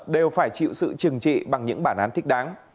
đều phải chịu sự trừng trị bằng những bản án thích đáng